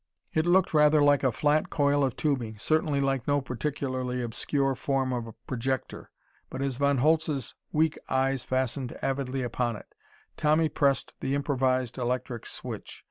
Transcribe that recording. It looked rather like a flat coil of tubing; certainly like no particularly obscure form of projector. But as Von Holtz's weak eyes fastened avidly upon it, Tommy pressed the improvised electric switch.